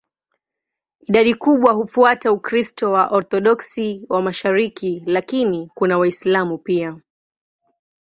Idadi kubwa hufuata Ukristo wa Waorthodoksi wa mashariki, lakini kuna Waislamu pia.